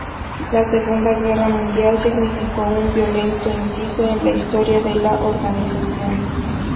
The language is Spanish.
La Segunda Guerra Mundial significó un violento inciso en la historia de la organización.